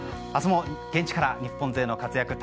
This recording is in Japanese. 明日も現地から日本勢の活躍